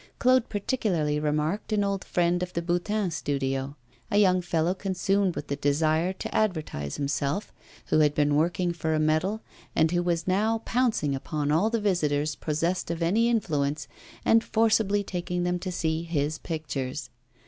Claude particularly remarked an old friend of the Boutin Studio a young fellow consumed with the desire to advertise himself, who had been working for a medal, and who was now pouncing upon all the visitors possessed of any influence and forcibly taking them to see his pictures.